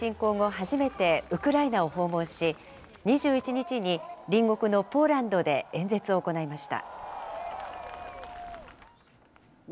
初めてウクライナを訪問し、２１日に隣国のポーランドで演説を行いました。